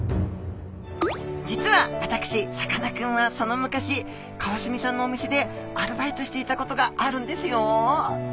実は私さかなクンはその昔川澄さんのお店でアルバイトしていたことがあるんですよ。